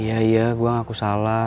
iya iya gua ngaku salah